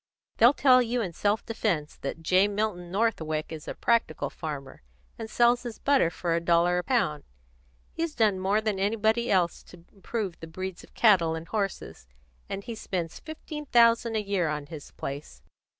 They'll tell you in self defence that J. Milton Northwick is a practical farmer, and sells his butter for a dollar a pound. He's done more than anybody else to improve the breeds of cattle and horses; and he spends fifteen thousand a year on his place.